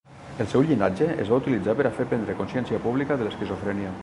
El seu llinatge es va utilitzar per a fer prendre consciència pública de l'esquizofrènia.